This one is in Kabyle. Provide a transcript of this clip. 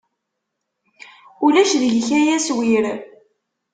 Ulac deg-k ay aswir.